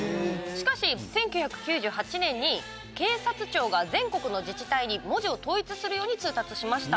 しかし１９９８年に警察庁が全国の自治体に文字を統一するように通達しました。